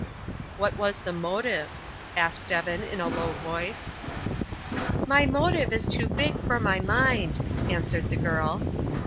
"What was the motive?" asked Evan, in a low voice. "My motive is too big for my mind," answered the girl.